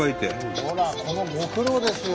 ほらこのご苦労ですよ。